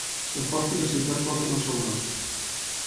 El fort i la ciutat porten el seu nom.